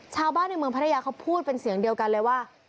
ชาวบ้านในเมืองพัทยาเขาพูดเป็นเสียงเดียวกันเลยว่า